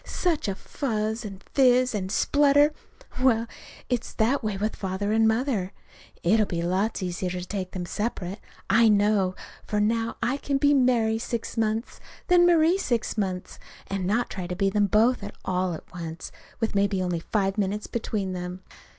such a fuss and fizz and splutter! Well, it's that way with Father and Mother. It'll be lots easier to take them separate, I know. For now I can be Mary six months, then Marie six months, and not try to be them both all at once, with maybe only five minutes between them.